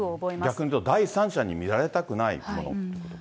逆にいうと、第三者に見られたくないものということか。